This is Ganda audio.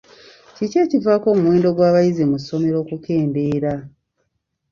Kiki ekivaako omuwendo gw'abayizi mu ssomero okukendeera?